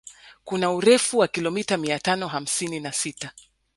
Kuna urefu wa kilomita mia tano hamsini na sita